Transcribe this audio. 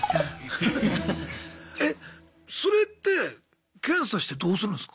それって検査してどうするんすか？